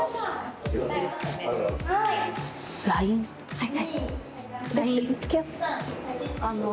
はい